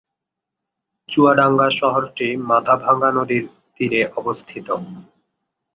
চুয়াডাঙ্গা শহরটি মাথাভাঙ্গা নদীর তীরে অবস্থিত।